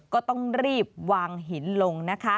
ก็ต้องรีบวางหินลงนะคะ